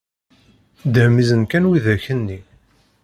Dehmiẓen kan widak-nni!